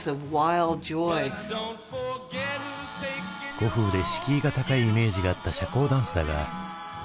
古風で敷居が高いイメージがあった社交ダンスだが。